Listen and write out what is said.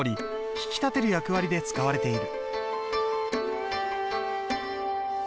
引き立てる役割で使われている。